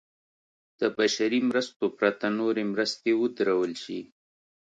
د بشري مرستو پرته نورې مرستې ودرول شي.